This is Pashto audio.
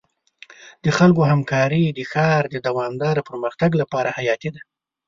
د خلکو همکاري د ښار د دوامدار پرمختګ لپاره حیاتي ده.